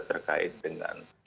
ini terkait dengan